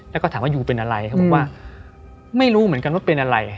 แล้วก็ถามว่ายูเป็นอะไรเขาบอกว่าไม่รู้เหมือนกันว่าเป็นอะไร